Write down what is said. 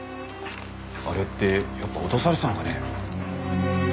あれってやっぱ脅されてたのかね？